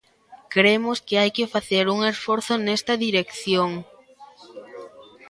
Cremos que hai que facer un esforzo nesta dirección.